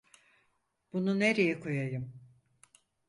Bunu nereye koyayım?